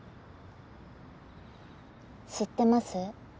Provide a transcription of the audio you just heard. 知ってます？